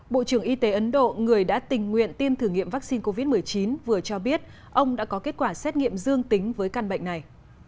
bộ trưởng y tế ấn độ người đã tình nguyện tiêm thử nghiệm vaccine covid một mươi chín vừa cho biết ông đã có kết quả xét nghiệm dương tính với căn bệnh này